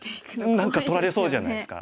何か取られそうじゃないですか。